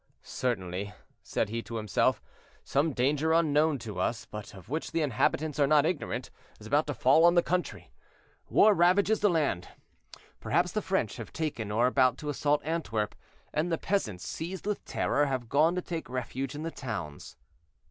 "Certainly," said he to himself, "some danger unknown to us, but of which the inhabitants are not ignorant, is about to fall on the country. War ravages the land; perhaps the French have taken, or are about to assault Antwerp, and the peasants, seized with terror, have gone to take refuge in the towns."